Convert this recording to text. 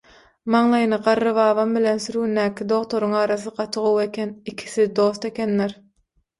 Maňlaýyna garry babam bilen sürgündäki dogtoruň arasy gaty gowy eken, ikisi dost ekenler.